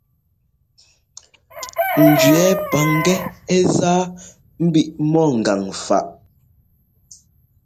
Njʉɛ́ paŋgɛ́ ɛ́ zá mbiʼ mɔ ŋgan faʼ.